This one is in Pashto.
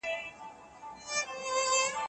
شاه محمود د پښتنو د عزت او شرف ساتونکی و.